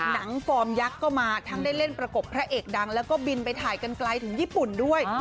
ฟอร์มยักษ์ก็มาทั้งได้เล่นประกบพระเอกดังแล้วก็บินไปถ่ายกันไกลถึงญี่ปุ่นด้วย